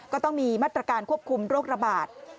ก็ต้องมีมาตรการควบคุมโรคระบาด